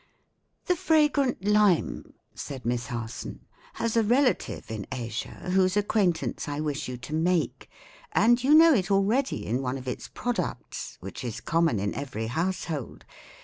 "The fragrant lime," said Miss Harson, "has a relative in Asia whose acquaintance I wish you to make, and you know it already in one of its products, which is common in every household.